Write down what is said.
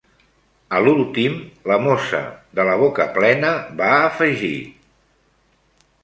A l'últim la mossa de la boca plena va afegir